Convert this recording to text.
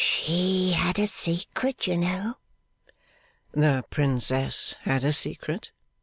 She had a secret, you know.' 'The Princess had a secret?